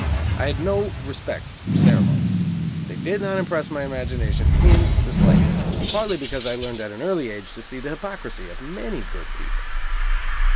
I had no respect for ceremonies. They did not impress my imagination in the slightest, partly because I learned at an early age to see the hypocrisy of many good people.